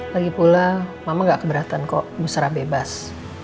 lagi pula mama gak keberatan kok musrah bebas